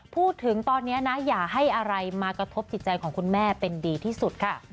พูดถึงตอนนี้นะอย่าให้อะไรมากระทบจิตใจของคุณแม่เป็นดีที่สุดค่ะ